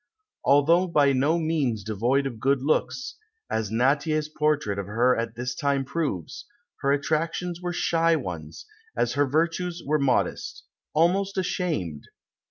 Although by no means devoid of good looks, as Nattier's portrait of her at this time proves, her attractions were shy ones, as her virtues were modest, almost ashamed.